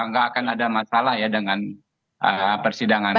nggak akan ada masalah ya dengan persidangan